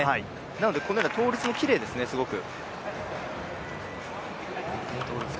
なのでこのような倒立もきれいですね、すごく。